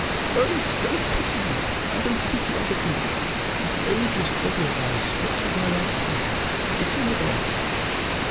"Oh, don't pity me! I don't pity other people. This odious body of ours has got to wear out sometime it's in the bargain.